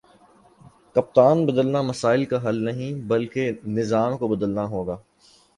کپتان بدلنا مسائل کا حل نہیں بلکہ نظام کو بدلنا ہوگا